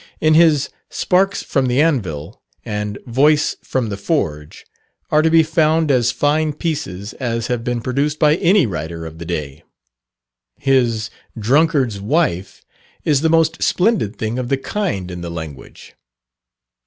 In his "Sparks from the Anvil," and "Voice from the Forge," are to be found as fine pieces as have been produced by any writer of the day. His "Drunkard's Wife" is the most splendid thing of the kind in the language.